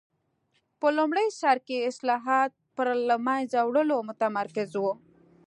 په لومړي سر کې اصلاحات پر له منځه وړلو متمرکز و.